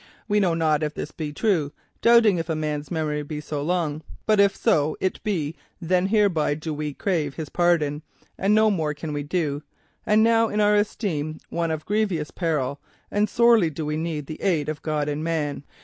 We know not if this be true, doubting if a man's memory be so long, but if so it be, then hereby do we crave his pardon, and no more can we do. And now is our estate one of grievous peril, and sorely do we need the aid of God and man.